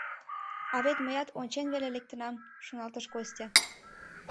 «А вет мыят ончен веле лектынам», — шоналтыш Костя.